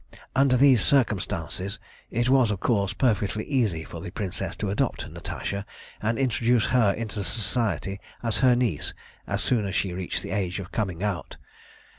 "Under these circumstances, it was, of course, perfectly easy for the Princess to adopt Natasha, and introduce her into Society as her niece as soon as she reached the age of coming out.